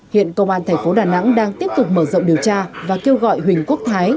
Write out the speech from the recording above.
hiện công an thành phố đà nẵng đang tiếp tục mở rộng điều tra và kêu gọi huỳnh quốc thái